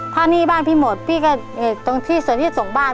ถ้าหนี้บ้านพี่หมดพี่ก็ตรงที่ส่วนที่ส่งบ้าน